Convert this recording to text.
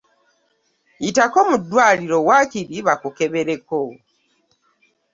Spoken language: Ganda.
Yitako mu ddwaaliro waakiri bakukebereko.